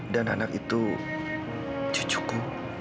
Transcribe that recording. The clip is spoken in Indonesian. dan anak itu cucuku